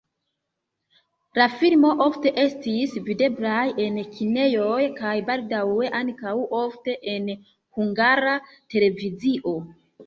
La filmo ofte estis videblaj en kinejoj kaj baldaŭe ankaŭ ofte en Hungara Televizio.